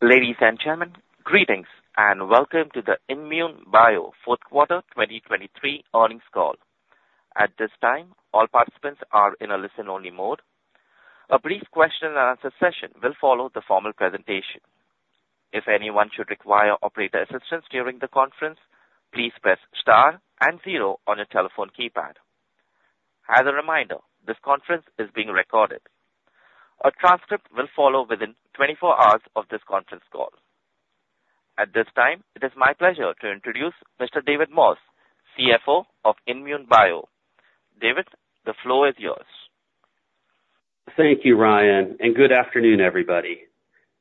Ladies and gentlemen, greetings, and welcome to the INKmune Bio fourth quarter 2023 earnings call. At this time, all participants are in a listen-only mode. A brief question, and answer session will follow the formal presentation. If anyone should require operator assistance during the conference, please press star and zero on your telephone keypad. As a reminder, this conference is being recorded. A transcript will follow within 24 hours of this conference call. At this time, it is my pleasure to introduce Mr. David Moss, CFO of INKmune Bio. David, the floor is yours. Thank you, Ryan, and good afternoon, everybody.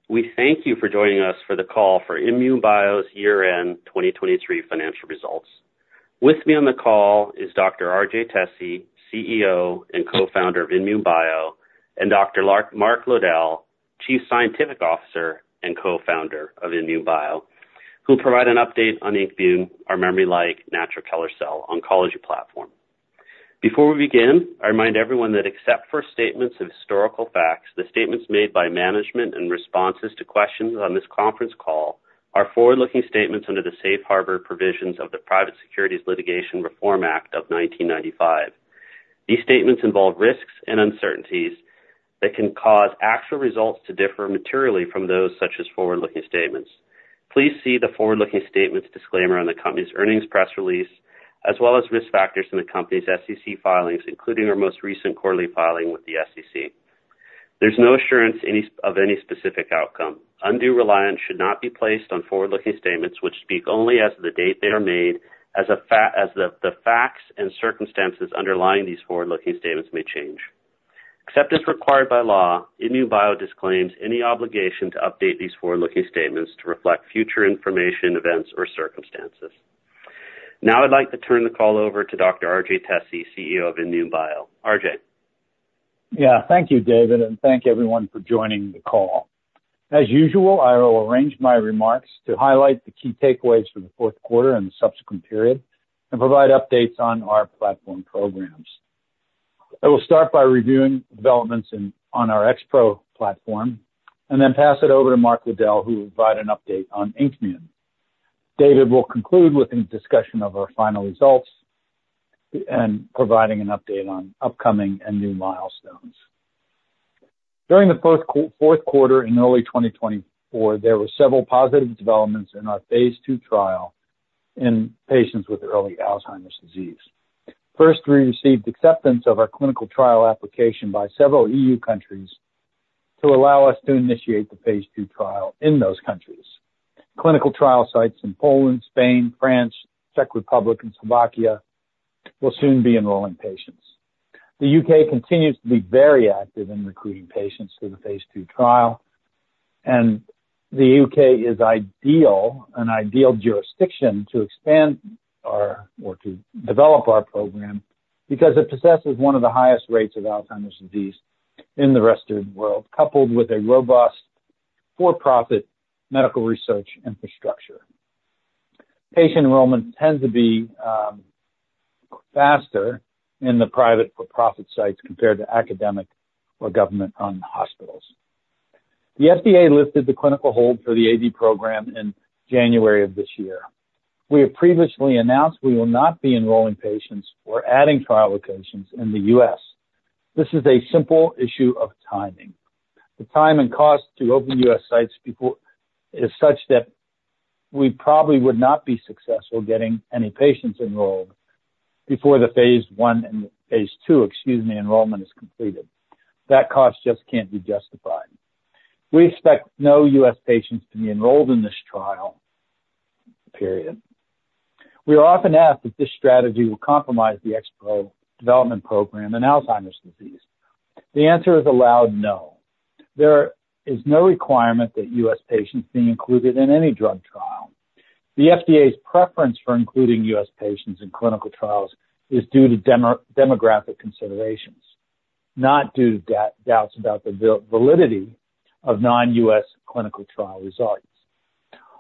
We thank you for joining us for the call for INmune Bio's year-end 2023 financial results. With me on the call is Dr. RJ Tesi, CEO and Co-founder of INmune Bio, and Dr. Mark Lowdell, Chief Scientific Officer and Co-founder of INmune Bio, who will provide an update on INKmune view, our memory-like natural killer cell oncology platform. Before we begin, I remind everyone that except for statements of historical facts, the statements made by management, and responses to questions on this conference call are forward-looking statements under the safe harbor provisions of the Private Securities Litigation Reform Act of 1995. These statements involve risks and uncertainties that can cause actual results to differ materially from those, such as forward-looking statements. Please see the forward-looking statements disclaimer on the company's earnings press release, as well as risk factors in the company's SEC filings, including our most recent quarterly filing with the SEC. There's no assurance as to any specific outcome. Undue reliance should not be placed on forward-looking statements which speak only as to the date they are made, as the facts and circumstances underlying these forward-looking statements may change. Except as required by law, INmune Bio disclaims any obligation to update these forward-looking statements to reflect future information, events, or circumstances. Now, I'd like to turn the call over to Dr. RJ Tesi, CEO of INmune Bio. RJ? Yeah. Thank you, David, and thank you everyone for joining the call. As usual, I will arrange my remarks to highlight the key takeaways for the fourth quarter, and the subsequent period, and provide updates on our platform programs. I will start by reviewing developments in on our XPro platform, and then pass it over to Mark Lowdell, who will provide an update on INKmune. David will conclude with a discussion of our final results and providing an update on upcoming and new milestones. During the fourth quarter in early 2024, there were several positive developments in our phase II trial in patients with early Alzheimer's disease. First, we received acceptance of our clinical trial application by several EU countries to allow us to initiate the phase II trial in those countries. Clinical trial sites in Poland, Spain, France, Czech Republic, and Slovakia will soon be enrolling patients. The U.K. continues to be very active in recruiting patients for the phase II trial, and the U.K. is ideal, an ideal jurisdiction to expand our, or to develop our program, because it possesses one of the highest rates of Alzheimer's disease in the rest of the world, coupled with a robust, for-profit medical research infrastructure. Patient enrollment tends to be faster in the private, for-profit sites compared to academic or government-run hospitals. The FDA lifted the clinical hold for the AD program in January of this year. We have previously announced we will not be enrolling patients or adding trial locations in the U.S. This is a simple issue of timing. The time and cost to open US sites before is such that we probably would not be successful getting any patients enrolled before the phase I and phase II, excuse me, enrollment is completed. That cost just can't be justified. We expect no US patients to be enrolled in this trial, period. We are often asked if this strategy will compromise the XPro development program in Alzheimer's disease. The answer is a loud no. There is no requirement that US patients be included in any drug trial. The FDA's preference for including US patients in clinical trials is due to demographic considerations, not due to doubts about the validity of non-US clinical trial results.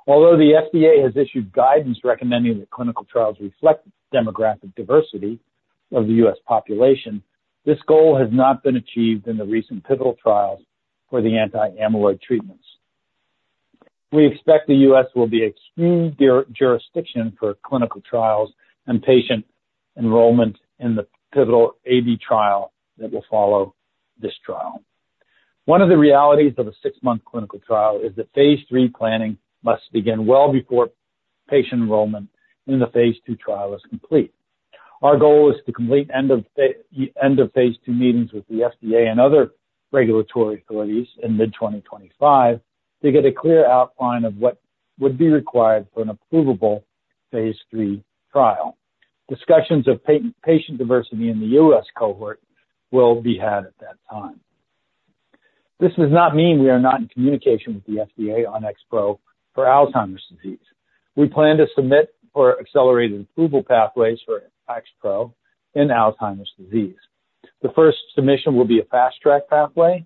Although the FDA has issued guidance recommending that clinical trials reflect demographic diversity of the US population, this goal has not been achieved in the recent pivotal trials for the anti-amyloid treatments. We expect the U.S. will be primary jurisdiction for clinical trials and patient enrollment in the pivotal AD trial that will follow this trial. One of the realities of a six-month clinical trial is that phase III planning must begin well before patient enrollment in the phase II trial is complete. Our goal is to complete end of phase II meetings with the FDA and other regulatory authorities in mid-2025, to get a clear outline of what would be required for an approvable phase III trial. Discussions of patient diversity in the U.S. cohort will be had at that time. This does not mean we are not in communication with the FDA on XPro for Alzheimer's disease. We plan to submit for accelerated approval pathways for XPro in Alzheimer's disease. The first submission will be a fast-track pathway.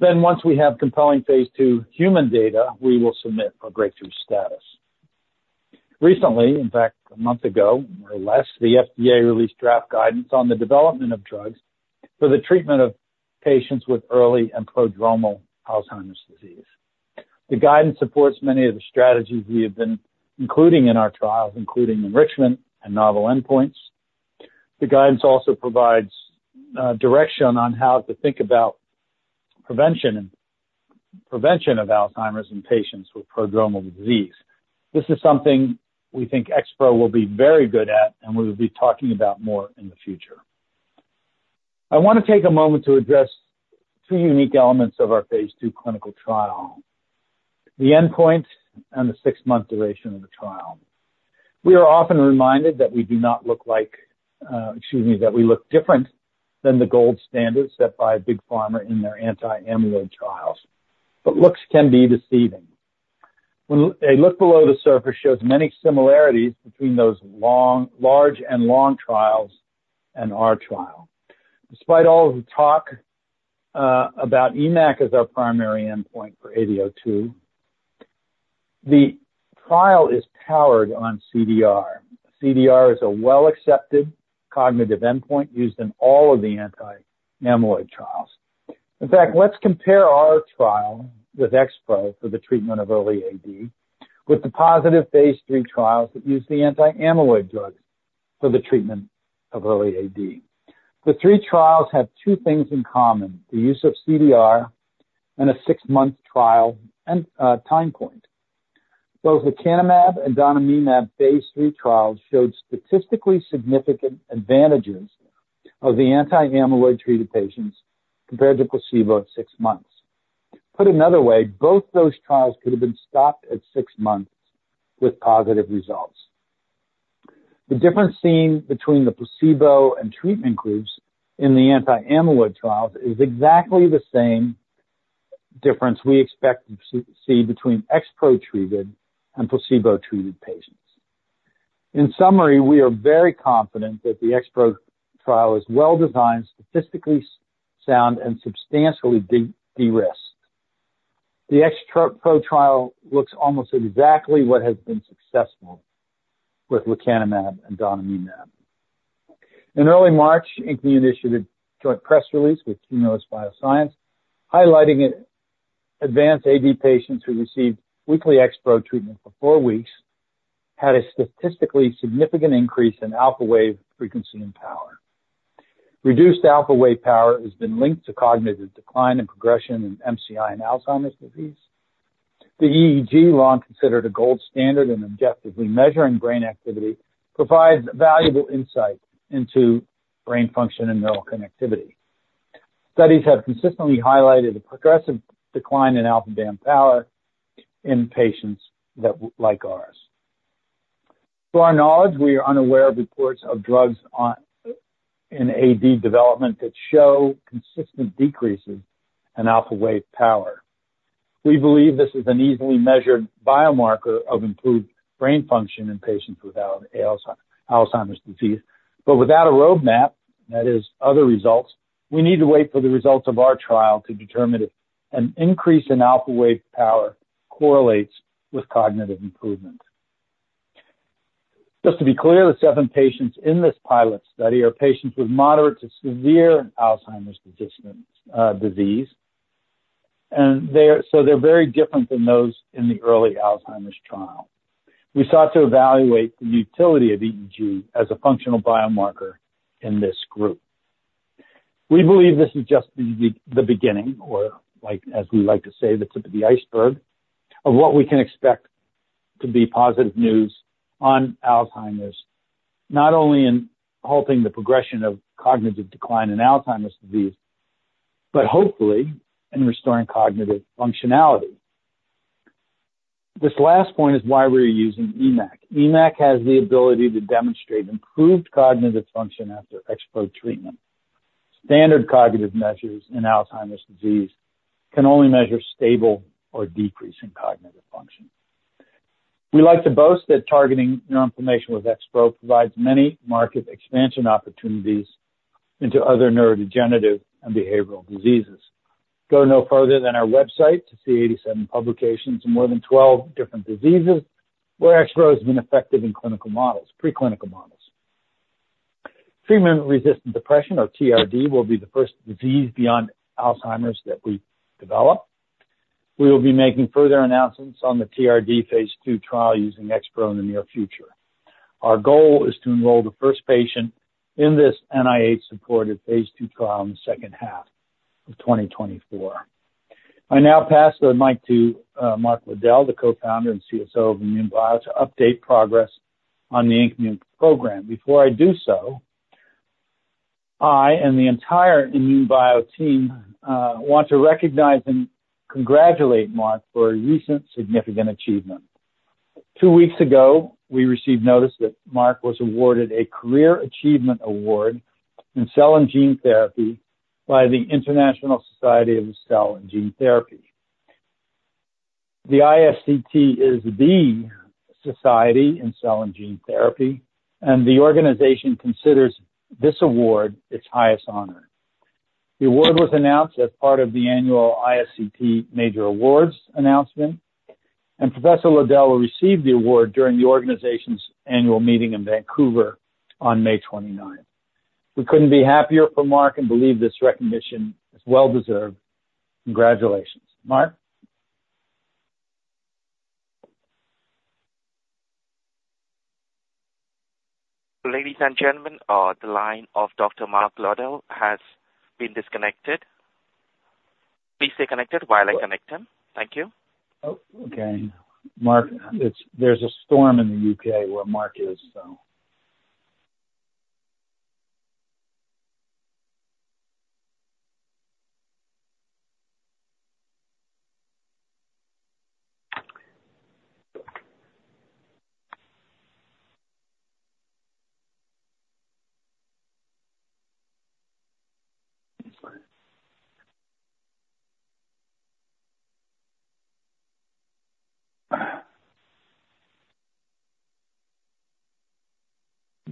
Then, once we have compelling phase II human data, we will submit for breakthrough status. Recently, in fact, a month ago or less, the FDA released draft guidance on the development of drugs for the treatment of patients with early and prodromal Alzheimer's disease. The guidance supports many of the strategies we have been including in our trials, including enrichment and novel endpoints. The guidance also provides direction on how to think about prevention and prevention of Alzheimer's in patients with prodromal disease. This is something we think XPro will be very good at, and we will be talking about more in the future. I wanna take a moment to address two unique elements of our phase II clinical trial: the endpoint and the six-month duration of the trial. We are often reminded that we do not look like, excuse me, that we look different than the gold standard set by Big Pharma in their anti-amyloid trials, but looks can be deceiving. When a look below the surface shows many similarities between those long, large, and long trials and our trial. Despite all of the talk about EMACC as our primary endpoint for AD02 the trial is powered on CDR. CDR is a well-accepted cognitive endpoint used in all of the anti-amyloid trials. In fact, let's compare our trial with XPro for the treatment of early AD, with the positive phase III trials that use the anti-amyloid drugs for the treatment of early AD. The three trials have two things in common, the use of CDR and a six month trial, and time point. Both lecanemab and donanemab phase III trials showed statistically significant advantages of the anti-amyloid treated patients compared to placebo at 6 months. Put another way, both those trials could have been stopped at 6 months with positive results. The difference seen between the placebo and treatment groups in the anti-amyloid trials is exactly the same difference we expect to see between XPro-treated and placebo-treated patients. In summary, we are very confident that the XPro trial is well-designed, statistically sound, and substantially derisked. The XPro trial looks almost exactly what has been successful with lecanemab and donanemab. In early March, INmune initiated a joint press release with Cumulus Neuroscience, highlighting that advanced AD patients who received weekly XPro treatment for four weeks had a statistically significant increase in alpha wave frequency and power. Reduced alpha wave power has been linked to cognitive decline and progression in MCI, and Alzheimer's disease. The EEG, long considered a gold standard in objectively measuring brain activity, provides valuable insight into brain function, and neural connectivity. Studies have consistently highlighted a progressive decline in alpha band power in patients like ours. To our knowledge, we are unaware of reports of drugs in AD development that show consistent decreases in alpha wave power. We believe this is an easily measured biomarker of improved brain function in patients without Alzheimer's disease. But without a roadmap, that is other results, we need to wait for the results of our trial to determine if an increase in alpha wave power correlates with cognitive improvement. Just to be clear, the seven patients in this pilot study are patients with moderate to severe Alzheimer's disease, and they are, so they're very different than those in the early Alzheimer's trial. We sought to evaluate the utility of EEG as a functional biomarker in this group. We believe this is just the beginning, or like, as we like to say, the tip of the iceberg, of what we can expect to be positive news on Alzheimer's, not only in halting the progression of cognitive decline in Alzheimer's disease, but hopefully in restoring cognitive functionality. This last point is why we're using EMAC. EMAC has the ability to demonstrate improved cognitive function after XPro treatment. Standard cognitive measures in Alzheimer's disease can only measure stable or decrease in cognitive function. We like to boast that targeting neuroinflammation with XPro provides many market expansion opportunities into other neurodegenerative and behavioral diseases. Go no further than our website to see 87 publications in more than 12 different diseases, where XPro has been effective in clinical models, preclinical models. Treatment-resistant depression, or TRD, will be the first disease beyond Alzheimer's that we develop. We will be making further announcements on the TRD phase II trial using XPro in the near future. Our goal is to enroll the first patient in this NIH-supported phase II trial in the second half of 2024. I now pass the mic to Mark Lowdell, the co-founder and CSO of INmune Bio, to update progress on the INmune program. Before I do so, I and the entire INmune Bio team want to recognize and congratulate Mark for a recent significant achievement. Two weeks ago, we received notice that Mark was awarded a Career Achievement Award in Cell and Gene Therapy by the International Society for Cell & Gene Therapy. The ISCT is the society in cell and gene therapy, and the organization considers this award its highest honor. The award was announced as part of the annual ISCT Major Awards announcement, and Professor Lowdell will receive the award during the organization's annual meeting in Vancouver on May 29. We couldn't be happier for Mark and believe this recognition is well-deserved. Congratulations. Mark? Ladies and gentlemen, the line of Dr. Mark Lowdell has been disconnected. Please stay connected while I connect him. Thank you. Oh, okay. Mark, it's, there's a storm in the UK where Mark is, so.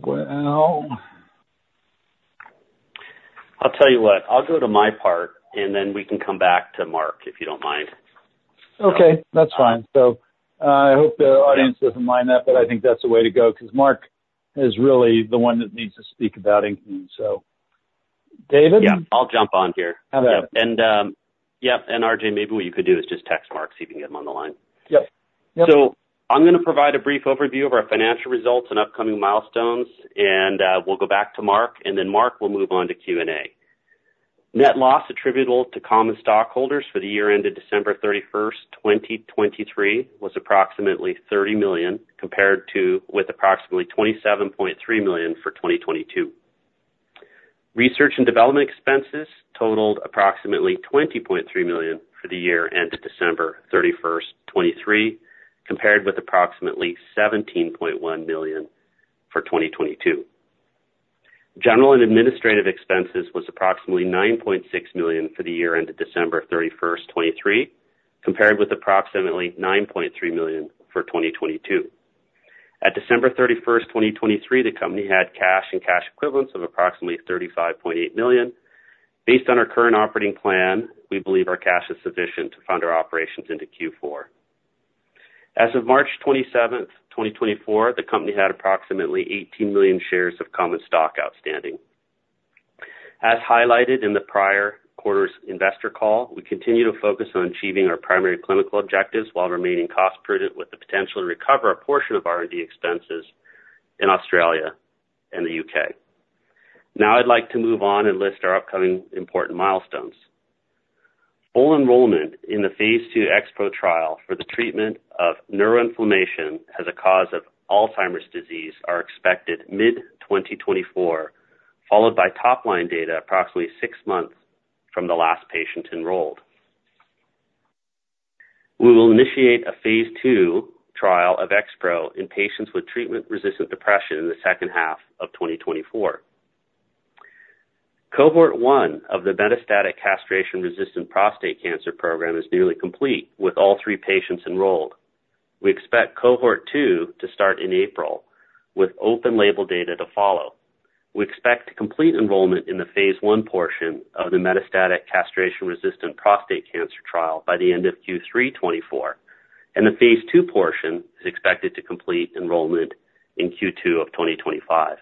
Well... I'll tell you what, I'll go to my part, and then we can come back to Mark, if you don't mind. Okay, that's fine. So, I hope the audience doesn't mind that, but I think that's the way to go, 'cause Mark is really the one that needs to speak about INmune. So, David? Yeah, I'll jump on here. Have at it. Yep, and RJ, maybe what you could do is just text Mark, see if you can get him on the line. Yep. Yep. So I'm gonna provide a brief overview of our financial results and upcoming milestones, and we'll go back to Mark, and then Mark will move on to Q&A. Net loss attributable to common stockholders for the year ended December 31, 2023, was approximately $30 million, compared to with approximately $27.3 million for 2022. Research and development expenses totaled approximately $20.3 million for the year ended December 31, 2023, compared with approximately $17.1 million for 2022. General and administrative expenses was approximately $9.6 million for the year ended December 31, 2023, compared with approximately $9.3 million for 2022. At December 31, 2023, the company had cash and cash equivalents of approximately $35.8 million. Based on our current operating plan, we believe our cash is sufficient to fund our operations into Q4. As of March 27, 2024, the company had approximately 18 million shares of common stock outstanding. As highlighted in the prior quarter's investor call, we continue to focus on achieving our primary clinical objectives while remaining cost-prudent with the potential to recover a portion of our R&D expenses in Australia and the UK. Now I'd like to move on and list our upcoming important milestones. Full enrollment in the phase II XPro trial for the treatment of neuroinflammation as a cause of Alzheimer's disease are expected mid-2024, followed by top-line data approximately 6 months from the last patient enrolled. We will initiate a phase II trial of XPro in patients with treatment-resistant depression in the second half of 2024. Cohort one of the metastatic castration-resistant prostate cancer program is nearly complete, with all three patients enrolled. We expect cohort two to start in April, with open label data to follow. We expect to complete enrollment in the phase I portion of the metastatic castration-resistant prostate cancer trial by the end of Q3 2024, and the phase II portion is expected to complete enrollment in Q2 of 2025.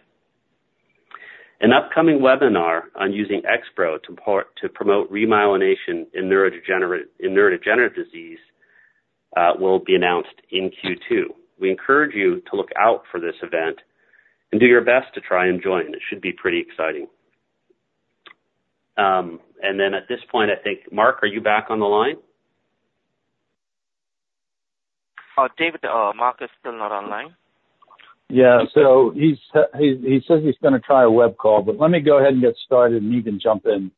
An upcoming webinar on using XPro to promote remyelination in Neurodegenerative disease will be announced in Q2. We encourage you to look out for this event and do your best to try and join. It should be pretty exciting. And then at this point, I think, Mark, are you back on the line? David, Mark is still not online. Yeah, so he says he's gonna try a web call, but let me go ahead and get started, and you can jump in.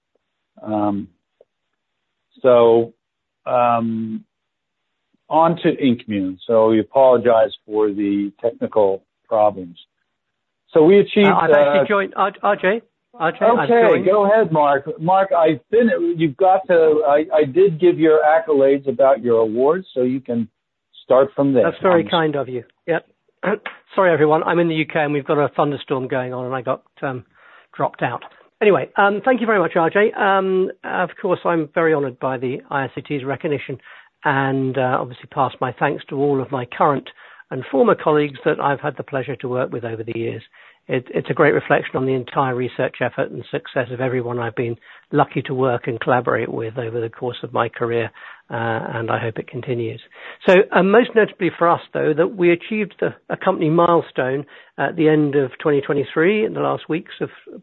On to INmune. We apologize for the technical problems. We achieved- I've actually joined. RJ, I've joined. Okay, go ahead, Mark. Mark, I did give your accolades about your award, so you can start from there. That's very kind of you. Yep. Sorry, everyone. I'm in the U.K., and we've got a thunderstorm going on, and I got dropped out. Anyway, thank you very much, RJ. Of course, I'm very honored by the ISCT's recognition and obviously pass my thanks to all of my current, and former colleagues that I've had the pleasure to work with over the years. It's a great reflection on the entire research effort and success of everyone I've been lucky to work and collaborate with over the course of my career, and I hope it continues. So, most notably for us, though, that we achieved a company milestone at the end of 2023, in the last weeks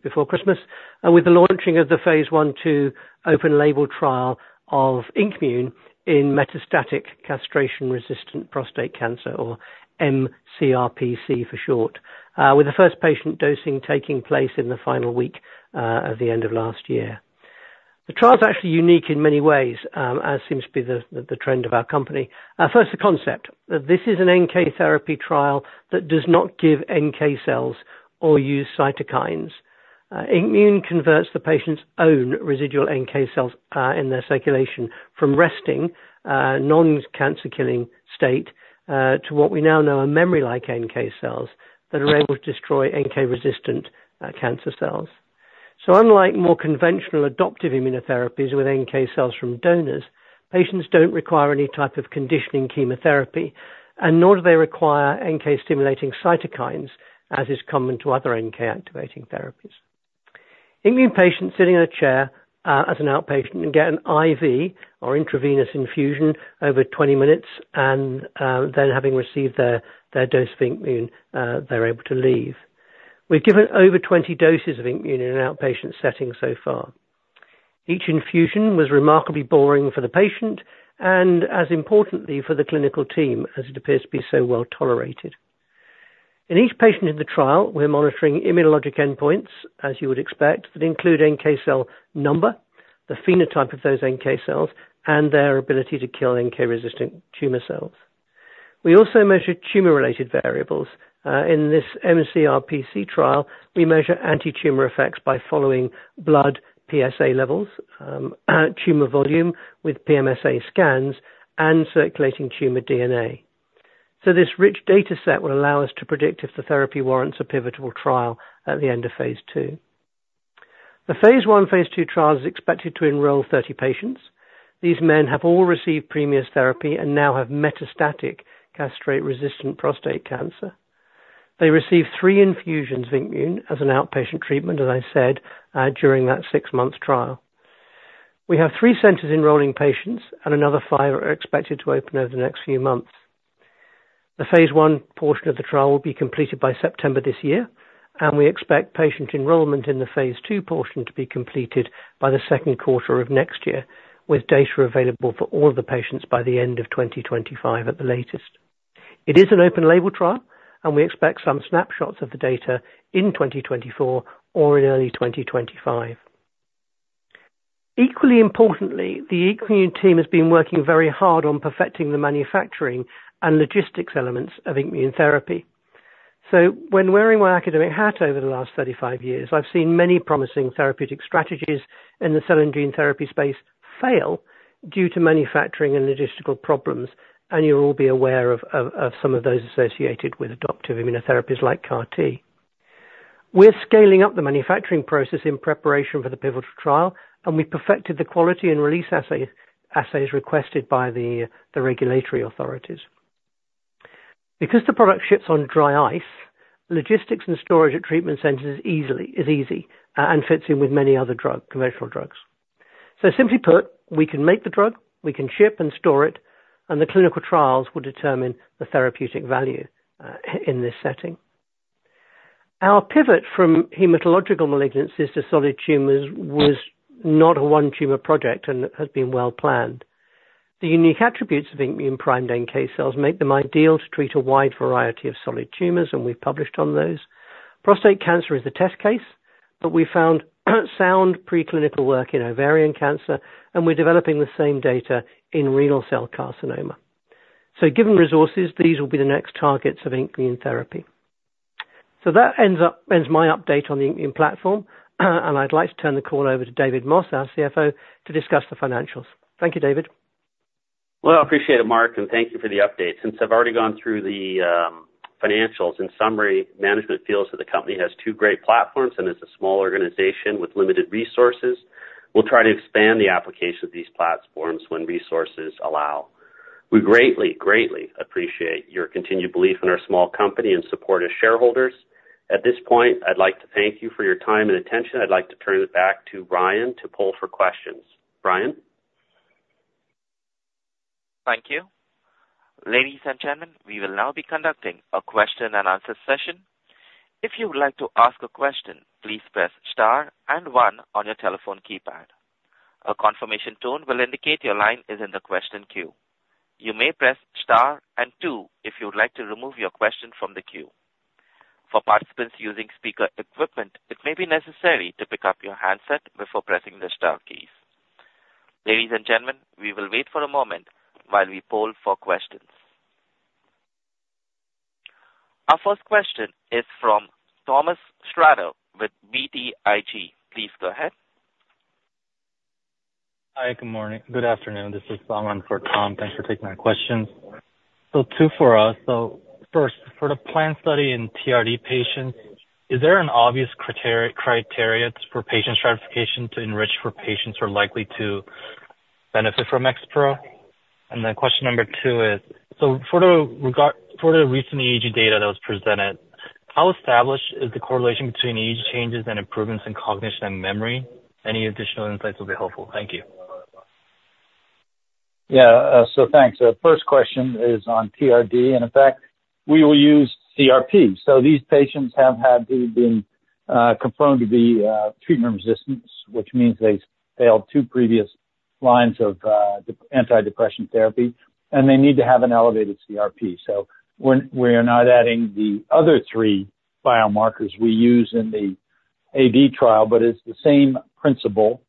before Christmas, with the launching of the phase I/II open label trial of INmune in metastatic castration-resistant prostate cancer, or mCRPC for short. With the first patient dosing taking place in the final week at the end of last year. The trial's actually unique in many ways, as seems to be the trend of our company. First, the concept. This is an NK therapy trial that does not give NK cells or use cytokines. INmune converts the patient's own residual NK cells in their circulation from resting non-cancer killing state to what we now know are memory-like NK cells that are able to destroy NK-resistant cancer cells. Unlike more conventional adoptive immunotherapies with NK cells from donors, patients don't require any type of conditioning chemotherapy, and nor do they require NK stimulating cytokines, as is common to other NK activating therapies. INmune patients sitting in a chair, as an outpatient and get an IV or intravenous infusion over 20 minutes and, then having received their dose of INmune, they're able to leave. We've given over 20 doses of INmune in an outpatient setting so far. Each infusion was remarkably boring for the patient and as importantly, for the clinical team, as it appears to be so well tolerated. In each patient in the trial, we're monitoring immunologic endpoints, as you would expect, that include NK cell number, the phenotype of those NK cells, and their ability to kill NK-resistant tumor cells. We also measure tumor-related variables. In this mCRPC trial, we measure anti-tumor effects by following blood PSA levels, tumor volume with PSMA scans, and circulating tumor DNA. So this rich data set will allow us to predict if the therapy warrants a pivotable trial at the end of phaIse II. The phase I, phase II trial is expected to enroll 30 patients. These men have all received previous therapy, and now have metastatic castration-resistant prostate cancer. They receive three infusions of INmune as an outpatient treatment, as I said, during that six month trial. We have three centers enrolling patients, and another five are expected to open over the next few months. The phase I portion of the trial will be completed by September this year, and we expect patient enrollment in the phase II portion to be completed by the second quarter of next year, with data available for all of the patients by the end of 2025 at the latest. It is an open label trial, and we expect some snapshots of the data in 2024 or in early 2025. Equally importantly, the INmune team has been working very hard on perfecting the manufacturing, and logistics elements of INmune therapy. So when wearing my academic hat over the last 35 years, I've seen many promising therapeutic strategies in the cell and gene therapy space fail due to manufacturing and logistical problems, and you'll all be aware of some of those associated with adoptive immunotherapies like CAR T. We're scaling up the manufacturing process in preparation for the pivotal trial, and we perfected the quality and release assay, assays requested by the regulatory authorities. Because the product ships on dry ice, logistics and storage at treatment centers is easy, and fits in with many other commercial drugs. So simply put, we can make the drug, we can ship and store it, and the clinical trials will determine the therapeutic value in this setting. Our pivot from hematological malignancies to solid tumors was not a one-tumor project and has been well planned. The unique attributes of INmune primed NK cells make them ideal to treat a wide variety of solid tumors, and we've published on those. Prostate cancer is the test case, but we found sound preclinical work in ovarian cancer, and we're developing the same data in renal cell carcinoma. Given resources, these will be the next targets of INmune therapy. That ends my update on the INmune platform, and I'd like to turn the call over to David Moss, our CFO, to discuss the financials. Thank you, David. Well, I appreciate it, Mark, and thank you for the update. Since I've already gone through the financials, in summary, management feels that the company has two great platforms and is a small organization with limited resources. We'll try to expand the application of these platforms when resources allow. We greatly, greatly appreciate your continued belief in our small company and support as shareholders. At this point, I'd like to thank you for your time and attention. I'd like to turn it back to Ryan to poll for questions. Ryan? Thank you. Ladies and gentlemen, we will now be conducting a question and answer session. If you would like to ask a question, please press star, and one on your telephone keypad. A confirmation tone will indicate your line is in the question queue. You may press star and two if you would like to remove your question from the queue. For participants using speaker equipment, it may be necessary to pick up your handset before pressing the star key. Ladies and gentlemen, we will wait for a moment while we poll for questions. Our first question is from Thomas Shrader with BTIG. Please go ahead. Hi, good morning. Good afternoon, this is Solomon for Tom. Thanks for taking my questions. So two for us. So first, for the planned study in TRD patients, is there an obvious criteria for patient stratification to enrich for patients who are likely to benefit from XPro? And then question number two is: so, regarding the recent EEG data that was presented, how established is the correlation between EEG changes and improvements in cognition and memory? Any additional insights will be helpful. Thank you. Yeah, so thanks. First question is on TRD, and in fact, we will use CRP. So these patients have had to been confirmed to be treatment resistant, which means they failed two previous lines of anti-depression therapy, and they need to have an elevated CRP. So we're not adding the other three biomarkers we use in the AD trial, but it's the same principle,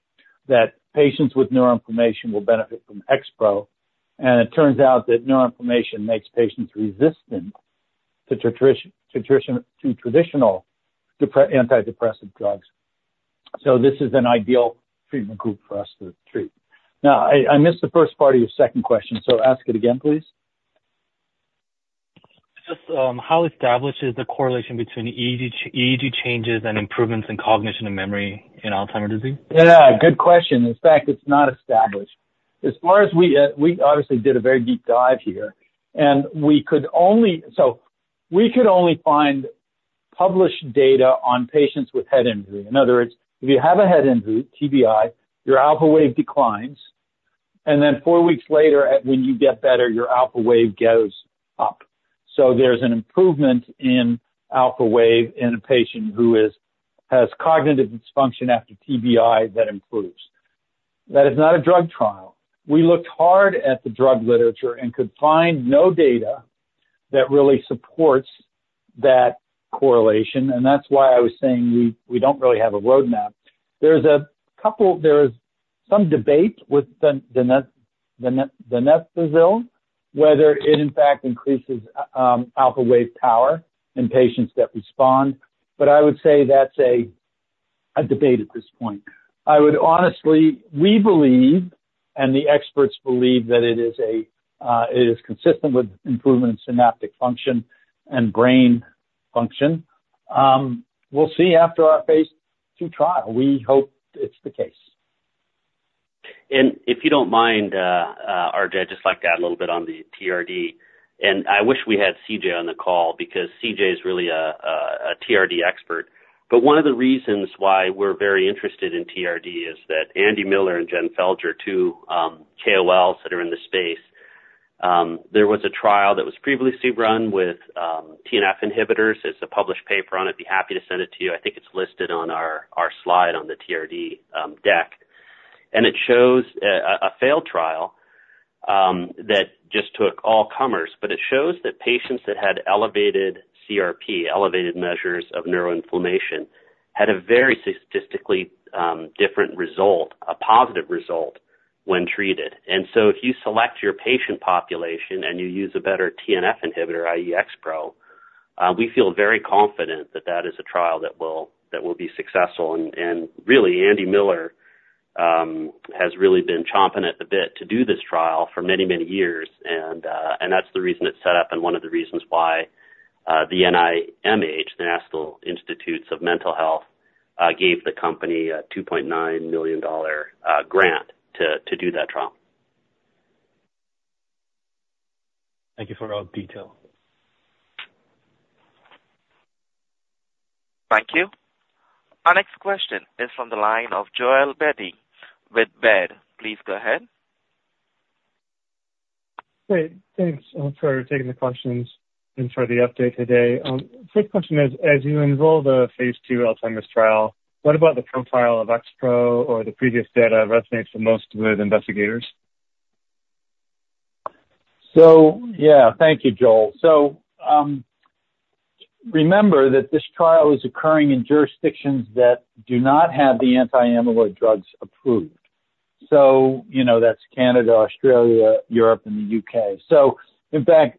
that patients with neuroinflammation will benefit from XPro, and it turns out that neuroinflammation makes patients resistant to traditional antidepressive drugs. So this is an ideal treatment group for us to treat. Now, I missed the first part of your second question, so ask it again, please. ... how established is the correlation between EEG changes, and improvements in cognition and memory in Alzheimer's disease? Yeah, good question. In fact, it's not established. As far as we, we obviously did a very deep dive here, and so we could only find published data on patients with head injury. In other words, if you have a head injury, TBI, your alpha wave declines, and then four weeks later, when you get better, your alpha wave goes up. So there's an improvement in alpha wave in a patient who has cognitive dysfunction after TBI, that improves. That is not a drug trial. We looked hard at the drug literature and could find no data that really supports that correlation, and that's why I was saying we don't really have a roadmap. There's some debate with the net Donepezil, whether it in fact increases alpha wave power in patients that respond, but I would say that's a debate at this point. I would honestly... We believe, and the experts believe, that it is consistent with improvement in synaptic function and brain function. We'll see after our phase II trial. We hope it's the case. And if you don't mind, RJ, I'd just like to add a little bit on the TRD, and I wish we had CJ on the call, because CJ is really a TRD expert. But one of the reasons why we're very interested in TRD is that Andy Miller and Jen Felger, two KOLs that are in the space, there was a trial that was previously run with TNF inhibitors. There's a published paper on it, I'd be happy to send it to you. I think it's listed on our slide on the TRD deck. And it shows a failed trial that just took all comers, but it shows that patients that had elevated CRP, elevated measures of neuroinflammation, had a very statistically different result, a positive result, when treated. So if you select your patient population, and you use a better TNF inhibitor, i.e., XPro, we feel very confident that that is a trial that will be successful. Really, Andy Miller has really been chomping at the bit to do this trial for many, many years. And that's the reason it's set up, and one of the reasons why the NIMH, the National Institute of Mental Health, gave the company a $2.9 million grant to do that trial. Thank you for all the detail. Thank you. Our next question is from the line of Joel Beatty with Baird. Please go ahead. Great. Thanks, for taking the questions, and for the update today. First question is, as you enroll the phase II Alzheimer's trial, what about the profile of XPro or the previous data resonates the most with investigators? So, yeah. Thank you, Joel. So, remember that this trial is occurring in jurisdictions that do not have the anti-amyloid drugs approved. So, you know, that's Canada, Australia, Europe, and the UK. So in fact,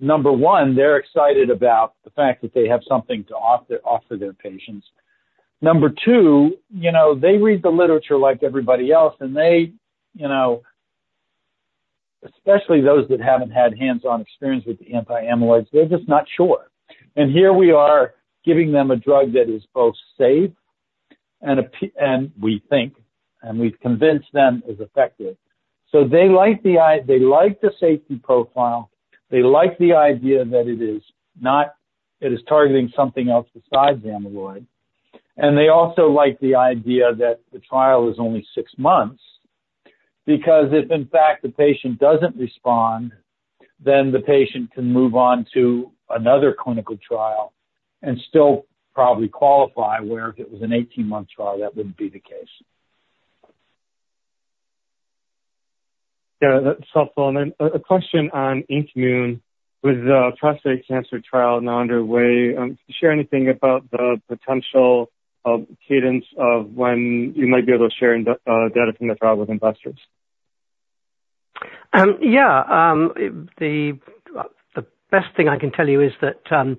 number one, they're excited about the fact that they have something to offer their patients. Number two, you know, they read the literature like everybody else, and they, you know, especially those that haven't had hands-on experience with the anti-amyloids, they're just not sure. And here we are giving them a drug that is both safe, and we think, and we've convinced them, is effective. So they like the safety profile, they like the idea that it is not, it is targeting something else besides the amyloid, and they also like the idea that the trial is only six months. Because if, in fact, the patient doesn't respond, then the patient can move on to another clinical trial and still probably qualify, where if it was an 18-month trial, that wouldn't be the case. Yeah, that's helpful. Then a question on INKmune, with the prostate cancer trial now underway, can you share anything about the potential cadence of when you might be able to share interim data from the trial with investors? Yeah. The best thing I can tell you is that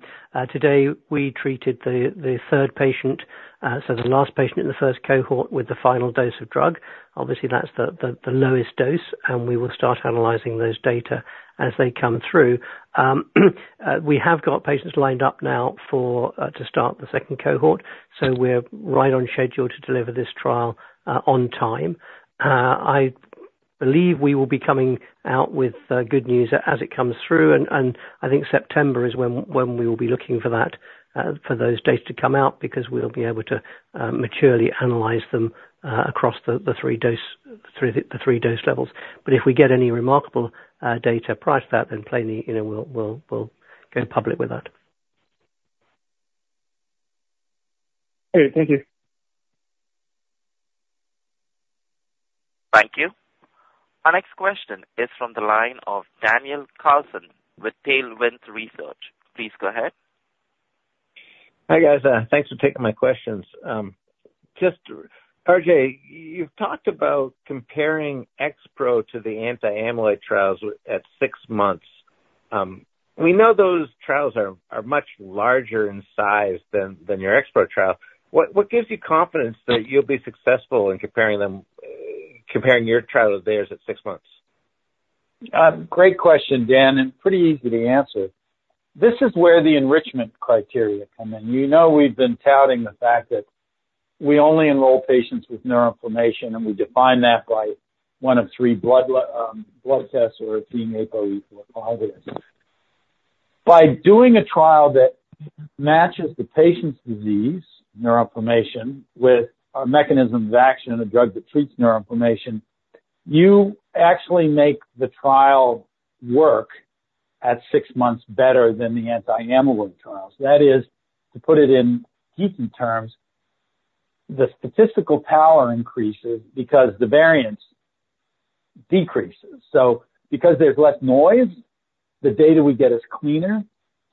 today, we treated the third patient, so the last patient in the first cohort with the final dose of drug. Obviously, that's the lowest dose, and we will start analyzing those data as they come through. We have got patients lined up now to start the second cohort, so we're right on schedule to deliver this trial on time. I believe we will be coming out with good news as it comes through, and I think September is when we will be looking for those data to come out, because we'll be able to maturely analyze them across the three dose levels. But if we get any remarkable data prior to that, then plainly, you know, we'll go public with that. Great. Thank you. Thank you. Our next question is from the line of Daniel Carlson with Tailwind Research. Please go ahead. Hi, guys. Thanks for taking my questions. Just RJ, you've talked about comparing XPro to the anti-amyloid trials at six months. We know those trials are much larger in size than your XPro trial. What gives you confidence that you'll be successful in comparing your trial to theirs at six months? Great question, Dan, and pretty easy to answer. This is where the enrichment criteria come in. You know, we've been touting the fact that we only enroll patients with neuroinflammation, and we define that by one of three blood tests or by being ApoE4 positive. By doing a trial that matches the patient's disease, neuroinflammation, with a mechanism of action and a drug that treats neuroinflammation, you actually make the trial work at six months better than the anti-amyloid trials. That is, to put it in decent terms, the statistical power increases because the variance decreases. So because there's less noise, the data we get is cleaner.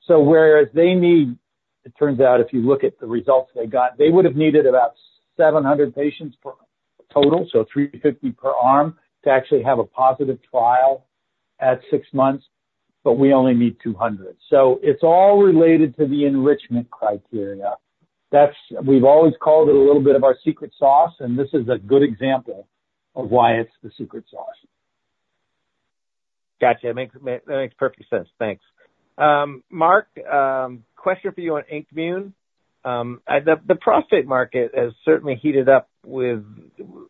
So whereas they need, it turns out, if you look at the results they got, they would've needed about 700 patients per total, so 350 per arm, to actually have a positive trial at six months, but we only need 200. So it's all related to the enrichment criteria. That's- we've always called it a little bit of our secret sauce, and this is a good example of why it's the secret sauce. Gotcha. That makes perfect sense. Thanks. Mark, question for you on INmune. The prostate market has certainly heated up with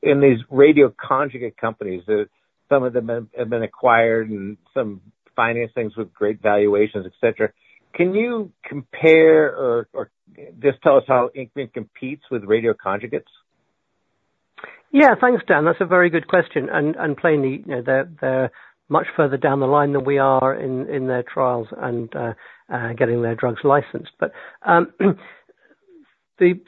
these radioconjugate companies that some of them have been acquired and some financings with great valuations, et cetera. Can you compare or just tell us how INmune competes with radioconjugates? Yeah, thanks, Dan. That's a very good question, and plainly, you know, they're much further down the line than we are in their trials and getting their drugs licensed. But the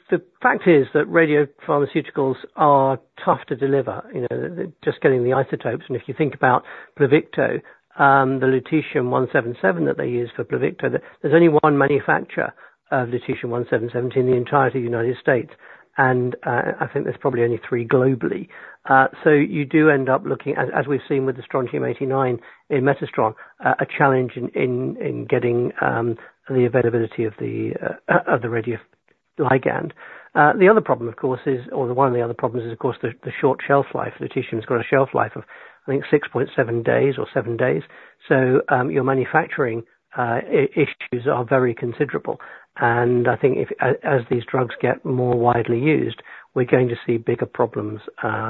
fact is that radiopharmaceuticals are tough to deliver, you know, just getting the isotopes. And if you think about Pluvicto, the lutetium-177 that they use for Pluvicto, there's only one manufacturer of lutetium-177 in the entirety of the United States, and I think there's probably only three globally. So you do end up looking, as we've seen with the strontium-89 in Metastron, a challenge in getting the availability of the radioligand. The other problem, of course, is, or one of the other problems is, of course, the short shelf life. Lutetium's got a shelf life of, I think, 6.7 days or 7 days. So, your manufacturing issues are very considerable, and I think if, as these drugs get more widely used, we're going to see bigger problems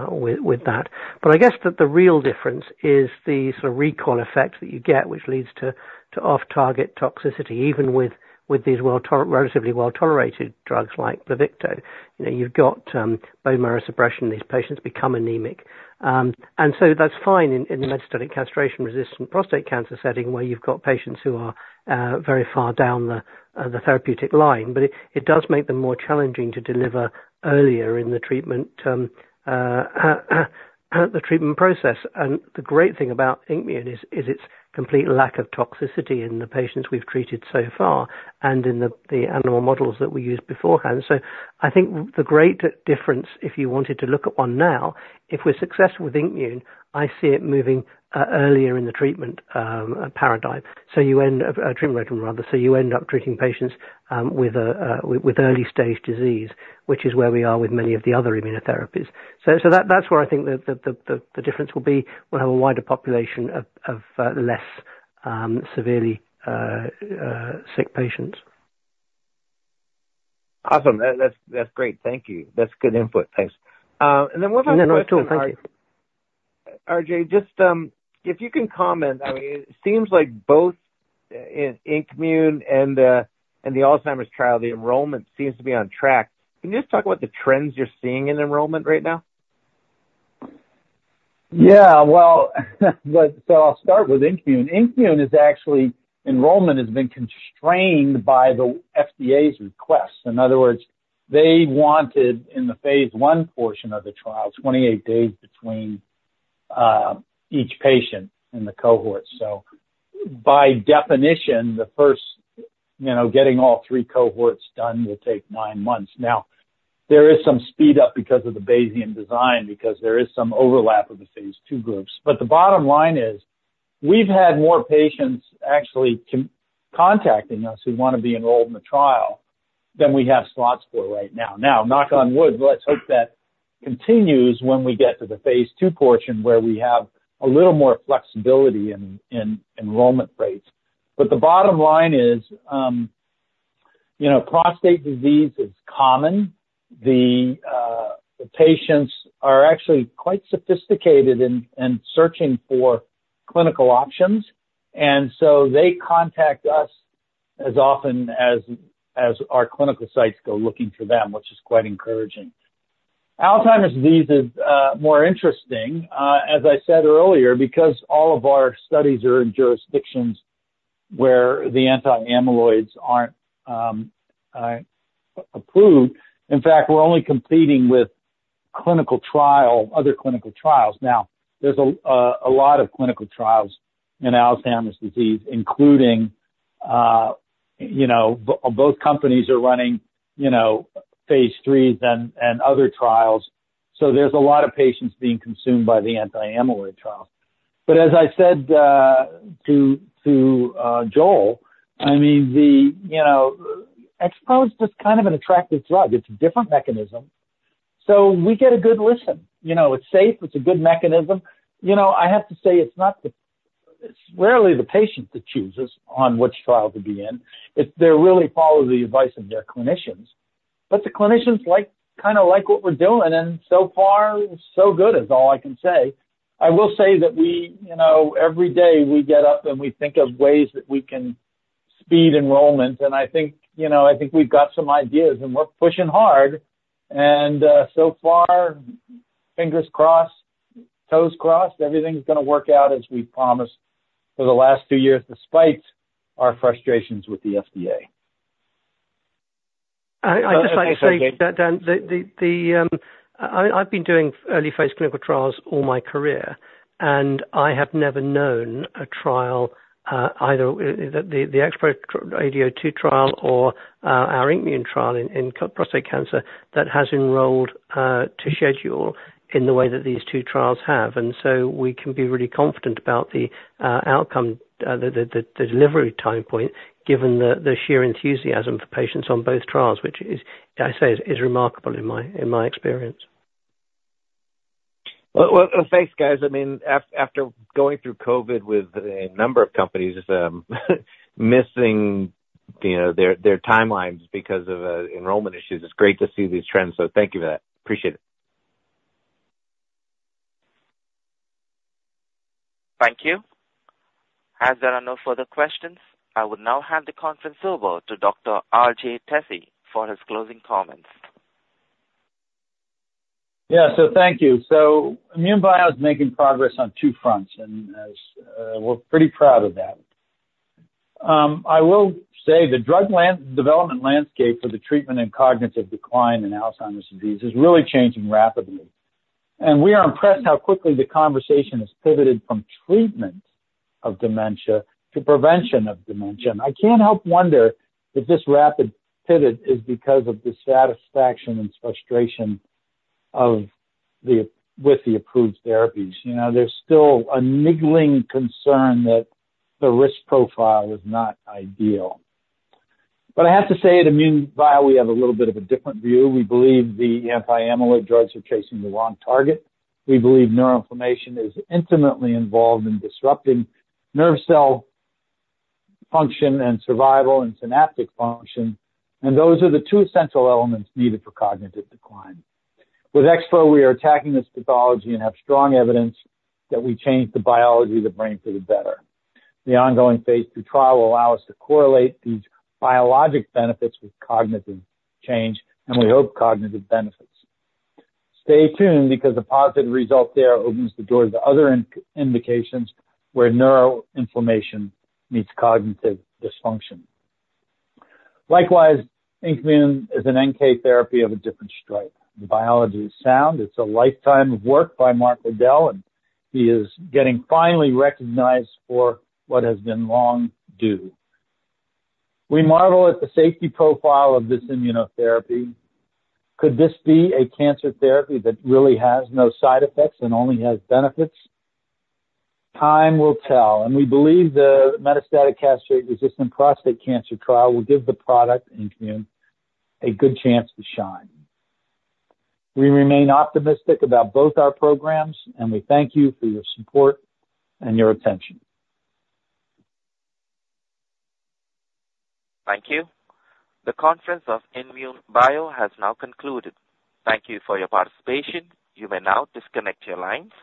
with that. But I guess that the real difference is the sort of recall effect that you get, which leads to off-target toxicity, even with these relatively well-tolerated drugs like Pluvicto. You know, you've got bone marrow suppression, these patients become anemic. And so that's fine in the metastatic castration-resistant prostate cancer setting, where you've got patients who are very far down the therapeutic line, but it does make them more challenging to deliver earlier in the treatment process. The great thing about INmune is its complete lack of toxicity in the patients we've treated so far, and in the animal models that we used beforehand. So I think the great difference, if you wanted to look at one now, if we're successful with INmune, I see it moving earlier in the treatment paradigm. So you end up treating patients with early stage disease, which is where we are with many of the other immunotherapies. So that, that's where I think the difference will be. We'll have a wider population of less severely sick patients. Awesome. That's great. Thank you. That's good input. Thanks. And then one more question- No, no. Thank you. RJ, just, if you can comment, I mean, it seems like both INmune and the Alzheimer's trial, the enrollment seems to be on track. Can you just talk about the trends you're seeing in enrollment right now? Yeah, well, but so I'll start with INmune. INmune is actually, enrollment has been constrained by the FDA's request. In other words, they wanted, in the phase I portion of the trial, 28 days between each patient in the cohort. So by definition, the first, you know, getting all three cohorts done will take nine months. Now, there is some speed up because of the Bayesian design, because there is some overlap of the phase II groups. But the bottom line is, we've had more patients actually contacting us, who wanna be enrolled in the trial, than we have slots for right now. Now, knock on wood, let's hope that continues when we get to the phase II portion, where we have a little more flexibility in enrollment rates. But the bottom line is, you know, prostate disease is common. The patients are actually quite sophisticated in searching for clinical options, and so they contact us as often as our clinical sites go looking for them, which is quite encouraging. Alzheimer's disease is more interesting, as I said earlier, because all of our studies are in jurisdictions where the anti-amyloids aren't approved. In fact, we're only competing with other clinical trials. Now, there's a lot of clinical trials in Alzheimer's disease, including, you know, both companies are running, you know, phase III and other trials, so there's a lot of patients being consumed by the anti-amyloid trials... But as I said, to Joel, I mean, the, you know, XPro's just kind of an attractive drug. It's a different mechanism, so we get a good listen. You know, it's safe, it's a good mechanism. You know, I have to say, it's not the, it's rarely the patient that chooses on which trial to be in. It's, they really follow the advice of their clinicians. But the clinicians like, kinda like what we're doing, and so far, so good, is all I can say. I will say that we, you know, every day we get up, and we think of ways that we can speed enrollment. And I think, you know, I think we've got some ideas, and we're pushing hard. And, so far, fingers crossed, toes crossed, everything's gonna work out as we've promised for the last two years, despite our frustrations with the FDA. I'd just like to say that, Dan, I've been doing early phase clinical trials all my career, and I have never known a trial, either the XPro-ADO2 trial or our INmune trial in prostate cancer, that has enrolled to schedule in the way that these two trials have. And so we can be really confident about the outcome, the delivery time point, given the sheer enthusiasm for patients on both trials, which is, I say, is remarkable in my experience. Well, well, thanks, guys. I mean, after going through COVID with a number of companies, missing, you know, their, their timelines because of enrollment issues, it's great to see these trends. So thank you for that. Appreciate it. Thank you. As there are no further questions, I will now hand the conference over to Dr. R.J. Tesi for his closing comments. Yeah, so thank you. So INmune Bio is making progress on two fronts, and as, we're pretty proud of that. I will say the drug development landscape for the treatment in cognitive decline in Alzheimer's disease is really changing rapidly. And we are impressed how quickly the conversation has pivoted from treatment of dementia to prevention of dementia. And I can't help wonder if this rapid pivot is because of the satisfaction and frustration with the approved therapies. You know, there's still a niggling concern that the risk profile is not ideal. But I have to say, at INmune Bio, we have a little bit of a different view. We believe the anti-amyloid drugs are chasing the wrong target. We believe neuroinflammation is intimately involved in disrupting nerve cell function and survival and synaptic function, and those are the two essential elements needed for cognitive decline. With XPro, we are attacking this pathology and have strong evidence that we changed the biology of the brain for the better. The ongoing phase II trial will allow us to correlate these biologic benefits with cognitive change, and we hope cognitive benefits. Stay tuned, because a positive result there opens the door to other indications where neuroinflammation meets cognitive dysfunction. Likewise, INmune is an NK therapy of a different stripe. The biology is sound. It's a lifetime of work by Mark Lowdell, and he is getting finally recognized for what has been long due. We marvel at the safety profile of this immunotherapy. Could this be a cancer therapy that really has no side effects and only has benefits? Time will tell, and we believe the metastatic castration-resistant prostate cancer trial will give the product, INmune, a good chance to shine. We remain optimistic about both our programs, and we thank you for your support and your attention. Thank you. The conference of INmune Bio has now concluded. Thank you for your participation. You may now disconnect your lines.